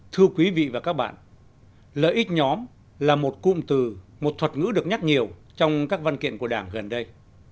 thưa quý vị và các bạn lợi ích nhóm là một cụm từ một thuật ngữ được nhắc nhiều trong các văn kiện của đảng gần đây